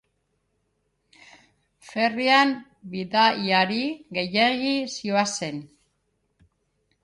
Ferryan bidaiari gehiegi zihoazen.